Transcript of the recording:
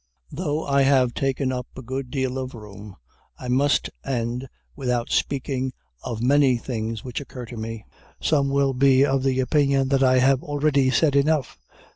Though I have taken up a good deal of room, I must end without speaking of many things which occur to me. Some will be of the opinion that I have already said enough.